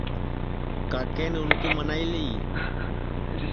کاکین اُن کُو منائی لی